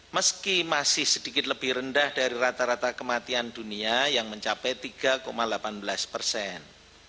meski masih sedikit lebih rendah dari rata rata kematian dunia yang mencapai tiga delapan belas persen